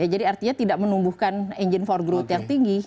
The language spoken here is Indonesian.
jadi artinya tidak menumbuhkan engine for growth yang tinggi